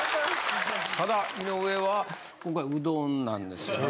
ただ井上は今回うどんなんですよね。